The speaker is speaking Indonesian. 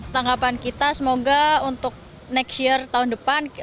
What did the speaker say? tanggapan kita semoga untuk next year tahun depan